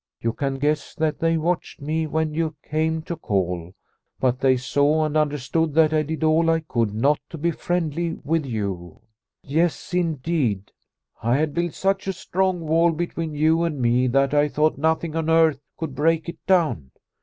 " You can guess that they watched me when you came to call. But they saw and under stood that I did all I could not to be friendly with you. " Yes, indeed, I had built such a strong wall between you and me that I thought nothing on earth could break it down.